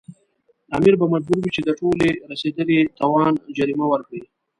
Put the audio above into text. امیر به مجبور وي چې د ټولو رسېدلي تاوان جریمه ورکړي.